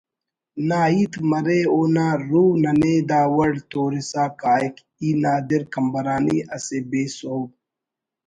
نا ہیت مرے اونا روح ننے داوڑ تورسا کاہک ”ای نادر قمبرانی اسہ بے سہب